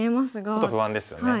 ちょっと不安ですよね。